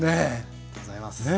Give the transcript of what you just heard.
ありがとうございます。ね